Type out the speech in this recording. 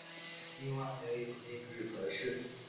另外还有一种内置格式。